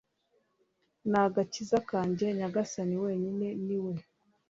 n'agakiza kanjye, nyagasani wenyine ni we